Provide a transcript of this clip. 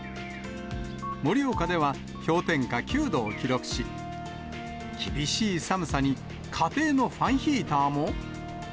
盛岡では氷点下９度を記録し、厳しい寒さに家庭のファンヒーターも。